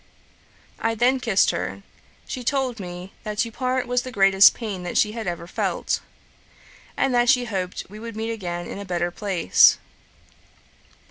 'I then kissed her. She told me, that to part was the greatest pain that she had ever felt, and that she hoped we should meet again in a better place.